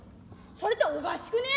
それっておかしくねえ？